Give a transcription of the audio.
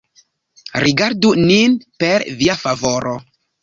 Rigardu nin per Via favoro.